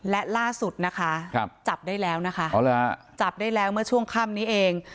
และล่าสุดนะคะจับได้แล้วนะคะจับได้แล้วเมื่อช่วงค่ำนี้เอง